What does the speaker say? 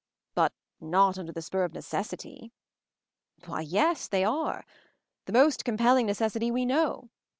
"But not under the spur of necessity." "Why, yes they are. The most com ] pelling necessity we know.